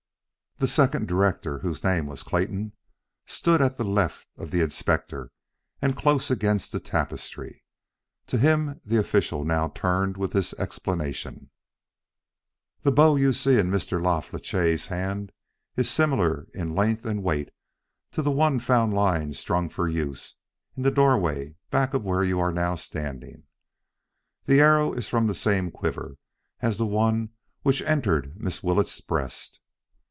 The second director, whose name was Clayton, stood at the left of the Inspector and close against the tapestry. To him that official now turned with this explanation: "The bow you see in Mr. La Flèche's hand is similar in length and weight to the one found lying strung for use in the doorway back of where you are now standing. The arrow is from the same quiver as the one which entered Miss Willetts' breast....